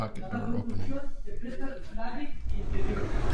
زه د مشهورو جګړو نقشې ګورم.